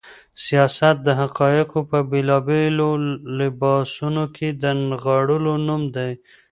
سياست د حقايقو په بېلابېلو لباسونو کې د نغاړلو نوم دی.